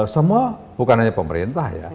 semua bukan hanya pemerintah